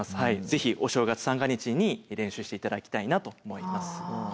ぜひお正月三が日に練習して頂きたいなと思います。